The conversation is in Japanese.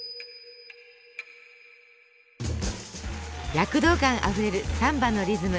躍動感あふれるサンバのリズム。